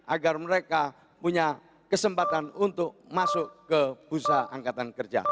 agar mereka punya kesempatan untuk masuk ke bursa angkatan kerja